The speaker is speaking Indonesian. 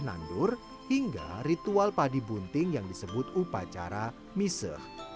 sehingga ritual padi bunting yang disebut upacara miseh